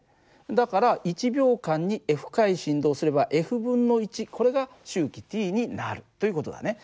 だから１秒間に回振動すればこれが周期Ｔになるという事だね。